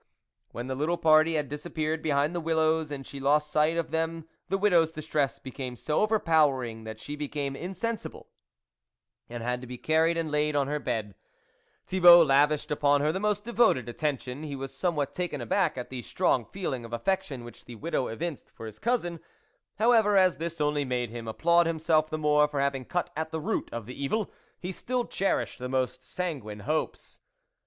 When the little party had disappeared behind the willows, and she lost sight of them, the widow's distress became so overpowering that she became insensible, and had to be carried and laid on her bed. Thibault lavished upon her the most devoted attention. He was somewhat taken aback at the strong feeling of affection which the widow evinced for his cousin ; however, as this only made him applaud himself the more for having cut at the root of the evil, he still cherished the most sanguine hopes.